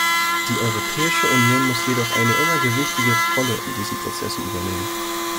Die Europäische Union muss jedoch eine immer gewichtigere Rolle in diesen Prozessen übernehmen.